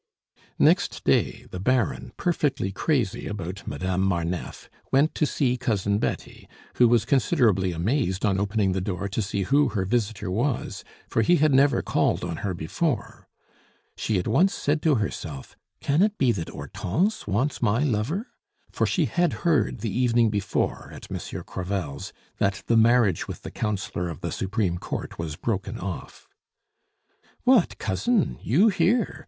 Next day the Baron, perfectly crazy about Madame Marneffe, went to see Cousin Betty, who was considerably amazed on opening the door to see who her visitor was, for he had never called on her before. She at once said to herself, "Can it be that Hortense wants my lover?" for she had heard the evening before, at Monsieur Crevel's, that the marriage with the Councillor of the Supreme Court was broken off. "What, Cousin! you here?